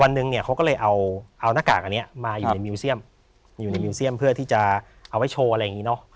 วันหนึ่งเนี่ยเขาก็เลยเอาหน้ากากอันนี้มาอยู่ในมิวเซียมเพื่อที่จะเอาไว้โชว์อะไรอย่างนี้เนาะ